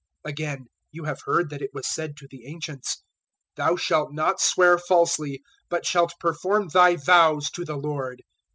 005:033 "Again, you have heard that it was said to the ancients, `Thou shalt not swear falsely, but shalt perform thy vows to the Lord.'